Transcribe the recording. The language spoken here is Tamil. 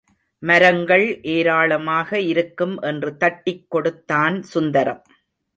மரங்கள் ஏராளமாக இருக்கும் என்று தட்டிக் கொடுத்தான் சுந்தரம்.